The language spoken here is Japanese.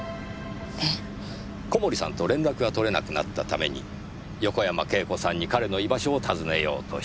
小森さんと連絡が取れなくなったために横山慶子さんに彼の居場所を尋ねようとした。